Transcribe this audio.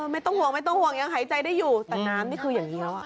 ไม่ต้องห่วงไม่ต้องห่วงยังหายใจได้อยู่แต่น้ำนี่คืออย่างเดียว